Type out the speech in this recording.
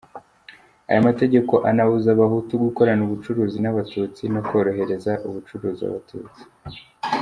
Aya mategeko anabuza Abahutu gukorana ubucuruzi n’Abatutsi no korohereza ubucuruzi Abatutsi.